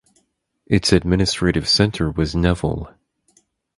Its administrative centre was Nevel.